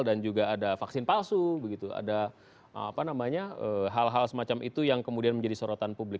dan juga ada vaksin palsu ada hal hal semacam itu yang kemudian menjadi sorotan publik